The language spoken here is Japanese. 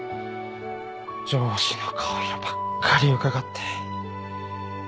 上司の顔色ばっかりうかがって。